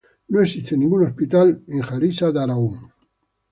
No existe ningún hospital en Harissa-Daraaoun.